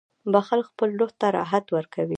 • بخښل خپل روح ته راحت ورکوي.